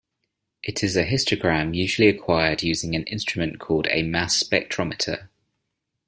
It is a histogram usually acquired using an instrument called a mass spectrometer.